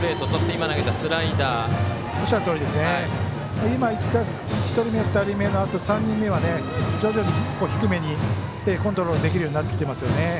今、１人目２人目のあと３人目は徐々に低めにコントロールできるようになってきてますよね。